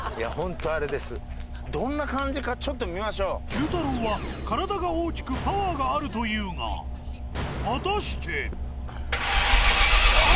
Ｑ太郎は体が大きくパワーがあるというが果たしてあぁ！